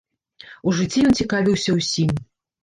У жыцці ён цікавіўся ўсім.